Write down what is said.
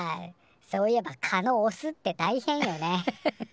そういえば「カ」のオスってたいへんよね。